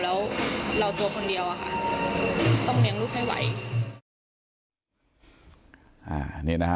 แล้วเราตัวคนเดียวอะค่ะต้องเลี้ยงลูกให้ไหว